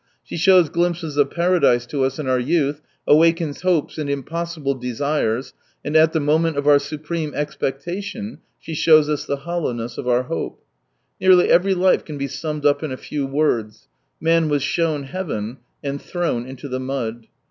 She shows glimpses of Paradise to us in our youth, awakens hopes and impossible desires, and at the moment of our supreme expecta tion she shows us the hoUowness of our hope. Nearly every life can be summed up in a few words : man was shown heaven — ^and thrown into the mud.